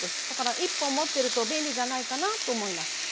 だから１本持ってると便利じゃないかなと思います。